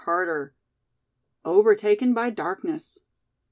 CHAPTER XI. OVERTAKEN BY DARKNESS.